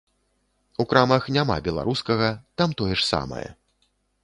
У крамах няма беларускага, там тое ж самае.